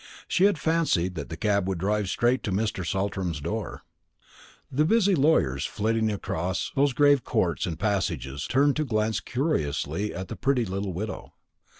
She had fancied that the cab would drive straight to Mr. Saltram's door. The busy lawyers flitting across those grave courts and passages turned to glance curiously at the pretty little widow.